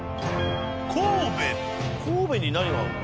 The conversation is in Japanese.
神戸に何があんの？